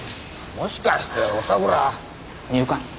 もしかしておたくら入管？